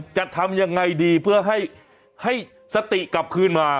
จะทำยังไงดีเพื่อให้สติกลับคืนมา